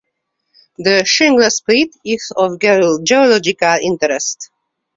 The shingle spit is of geological interest.